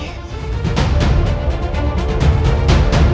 tidak ada yang bisa kita lakukan